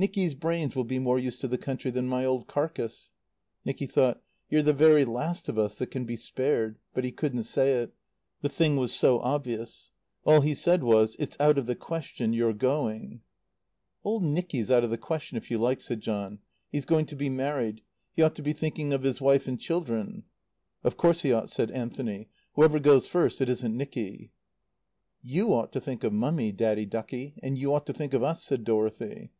"Nicky's brains will be more use to the country than my old carcass." Nicky thought: "You're the very last of us that can be spared." But he couldn't say it. The thing was so obvious. All he said was: "It's out of the question, your going." "Old Nicky's out of the question, if you like," said John. "He's going to be married. He ought to be thinking of his wife and children." "Of course he ought," said Anthony. "Whoever goes first, it isn't Nicky." "You ought to think of Mummy, Daddy ducky; and you ought to think of us," said Dorothy.